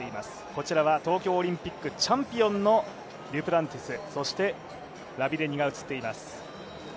こちらは東京オリンピックチャンピオンのデュプランティス、そしてラビレニが映っています。